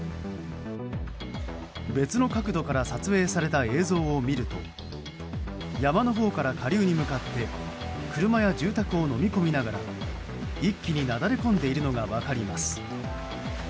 別の角度から撮影された映像を見ると山のほうから下流に向かって車や住宅をのみ込みながら一気になだれ込んでいるのが分かります。